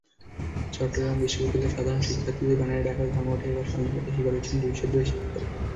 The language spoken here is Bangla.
চট্টগ্রাম বিশ্ববিদ্যালয়ে সাধারণ শিক্ষার্থীদের ব্যানারে ডাকা ধর্মঘটে এবার সহিংসতার শিকার হয়েছেন বিশ্ববিদ্যালয়ের শিক্ষকেরা।